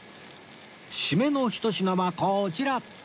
締めのひと品はこちら